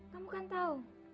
kamu kan tau